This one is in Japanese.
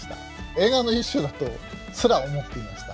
映画の一種だとすら思っていました。